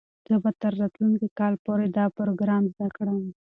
زه به تر راتلونکي کال پورې دا پروګرام زده کړم.